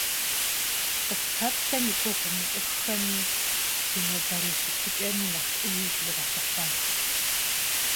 Къыспэплъэм и гугъу умыщӀыххэми, си нобэрей щытыкӀэми нэхъ Ӏеиж уигъэлъыхъуэнт.